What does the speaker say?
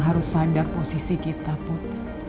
harus sadar posisi kita putri